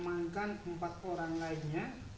mengamankan empat orang lainnya